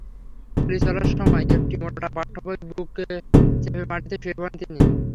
গুলি চলার সময় একটি মোটা পাঠ্যবই বুকে চেপে মাটিতে শুয়ে পড়েন তিনি।